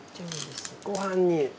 ご飯に。